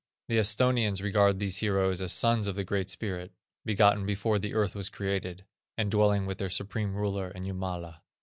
The Esthonians regard these heroes as sons of the Great Spirit, begotten before the earth was created, and dwelling with their Supreme Ruler in Jumala.